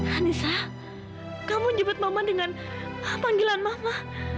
anissa kamu jemput mama dengan panggilan mama